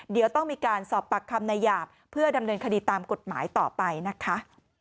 เดี๋ยวต้องมีการสอบปากคำนายหยาบเพื่อดำเนินคดีตามกฎหมายต่อไปนะคะ